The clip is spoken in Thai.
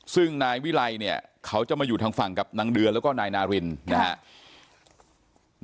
ซึ่งนายวิไลเนี่ยเขาจะมาอยู่ทางฝั่งกับนางเดือนแล้วก็นายนารินนะครับ